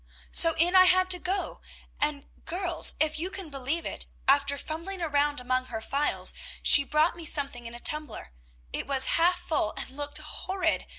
"So in I had to go; and, girls, if you can believe it, after fumbling around among her phials, she brought me something in a tumbler. It was half full and looked horrid!